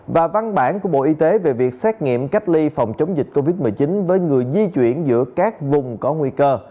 và văn bản của bộ y tế về việc xét nghiệm cách ly phòng chống dịch covid một mươi chín với người di chuyển giữa các vùng có nguy cơ